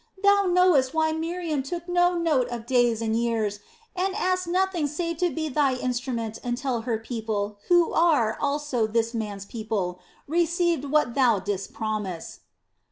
Thou knowest why Miriam took no note of days and years, and asked nothing save to be Thy instrument until her people, who are, also, this man's people, received what Thou didst promise."